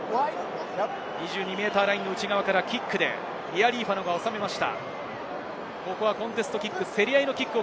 ２２ｍラインの内側からキックでリアリーファノが収めました。